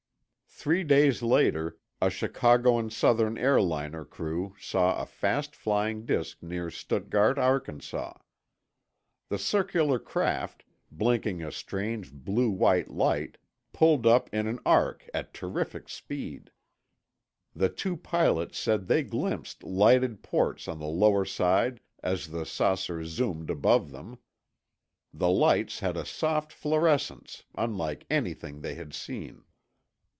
Three days later, a Chicago and Southern airliner crew saw a fast flying disk near Stuttgart, Arkansas. The circular craft, blinking a strange blue white light, pulled up in an arc at terrific speed. The two pilots said they glimpsed lighted ports on the lower side as the saucer zoomed above them. The lights had a soft fluorescence, unlike anything they had seen.